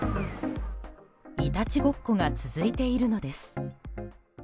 いたちごっこが続いているのです。